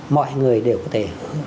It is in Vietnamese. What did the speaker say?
mọi người đều có thể